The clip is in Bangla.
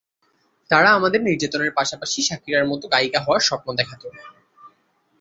তারা আমাদের নির্যাতনের পাশাপাশি শাকিরার মত গায়িকা হওয়ার স্বপ্ন দেখাতো।